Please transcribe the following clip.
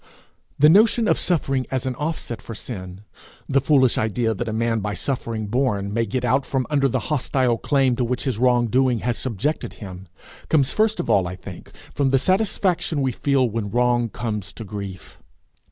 The notion of suffering as an offset for sin, the foolish idea that a man by suffering borne may get out from under the hostile claim to which his wrong doing has subjected him, comes first of all, I think, from the satisfaction we feel when wrong comes to grief.